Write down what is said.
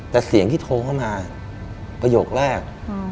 แต่เสียงที่โทรเข้ามาประโยคแรก